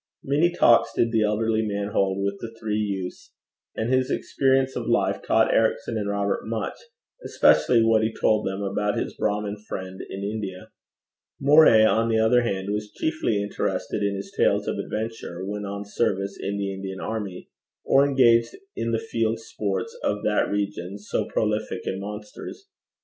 Many talks did the elderly man hold with the three youths, and his experience of life taught Ericson and Robert much, especially what he told them about his Brahmin friend in India. Moray, on the other hand, was chiefly interested in his tales of adventure when on service in the Indian army, or engaged in the field sports of that region so prolific in monsters.